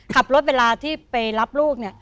ขับรถเวลาที่ไปรับลูกเนี่ย